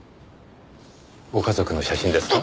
ご家族の写真ですか？